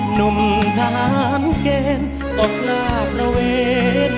หนุ่มท้านเก่งอบราประเวท